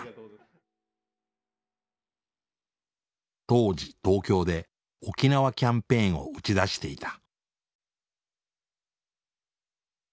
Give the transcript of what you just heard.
当時東京で「沖縄キャンペーン」を打ち出していた。